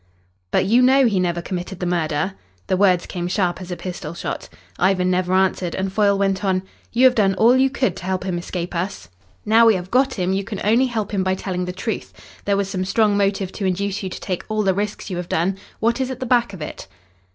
"But you know he never committed the murder?" The words came sharp as a pistol shot. Ivan never answered, and Foyle went on: "You have done all you could to help him escape us. Now we have got him you can only help him by telling the truth. There was some strong motive to induce you to take all the risks you have done. What is at the back of it?"